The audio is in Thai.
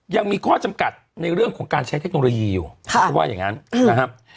ยังมีข้อจำกัดในเรื่องของการใช้เทคโนโลยีอยู่เขาว่าอย่างนั้นนะครับ